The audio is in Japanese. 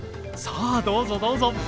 さあどうぞどうぞ。